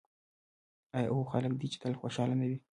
آیا او خلک دې یې تل خوشحاله نه وي؟